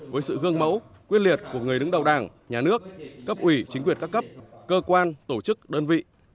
với sự gương mẫu quyết liệt của người đứng đầu đảng nhà nước cấp ủy chính quyền các cấp cơ quan tổ chức đơn vị